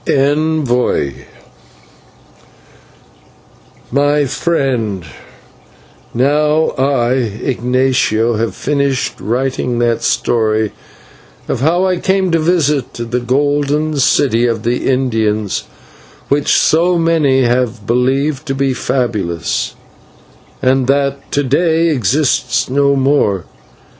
ENVOI My friend, now I, Ignatio, have finished writing that story of how I came to visit the Golden City of the Indians, which so many have believed to be fabulous, and that to day exists no more.